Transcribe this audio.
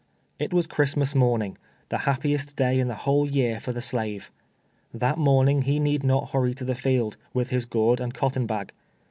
It was Cliristnuis morning — the happiest day in the whole year for the slave. That morning he need not liurry to the field, with his gourd and cotton bag.